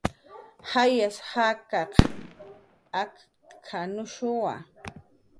"Jayas jakas akq""anushuwa"